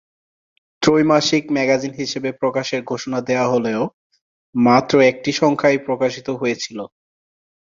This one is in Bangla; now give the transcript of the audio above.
ত্রৈমাসিক ম্যাগাজিন হিসেবে প্রকাশের ঘোষণা দেয়া হলেও মাত্র একটি সংখ্যাই প্রকাশিত হয়েছিল।